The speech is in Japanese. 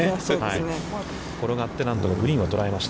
転がって、何とかグリーンは捉えました。